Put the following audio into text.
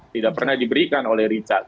tidak pernah diberikan oleh richard